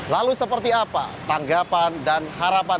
lalu seperti apa tanggapan dan harapan